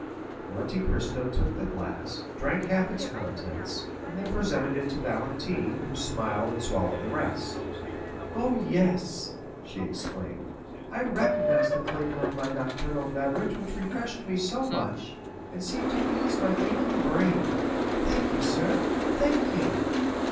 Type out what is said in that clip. Monte Cristo took the glass, drank half its contents, and then presented it to Valentine, who smiled and swallowed the rest. "Oh, yes," she exclaimed, "I recognize the flavor of my nocturnal beverage which refreshed me so much, and seemed to ease my aching brain. Thank you, sir, thank you!"